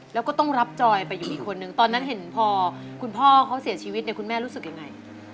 แล้วก็ต้องรับจอยไปอยู่อีกคนนึงตอนนั้นเห็นพอคุณพ่อเขาเสียชีวิตเนี่ยคุณแม่รู้สึกยังไง